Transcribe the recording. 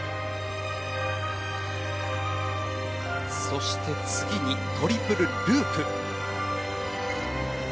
そして次にトリプルループ。